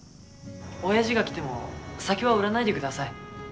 おやじが来ても酒は売らないでください。